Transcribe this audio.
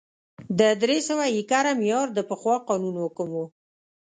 د درې سوه ایکره معیار د پخوا قانون حکم و